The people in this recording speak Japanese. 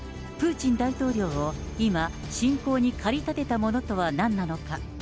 プーチン大統領を今、侵攻に駆り立てたものとは何なのか。